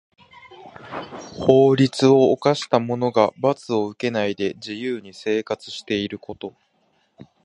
法律を犯した者が罰を受けないで自由に生活していること。